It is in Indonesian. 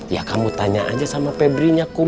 ya kamu tanya aja sama pebri nya kum